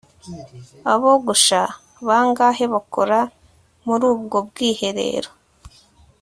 abogosha bangahe bakora muri ubwo bwiherero